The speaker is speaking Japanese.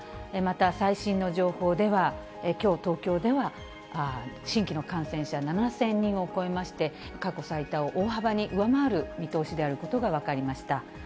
また、最新の情報ではきょう、東京では新規の感染者７０００人を超えまして、過去最多を大幅に上回る見通しであることが分かりました。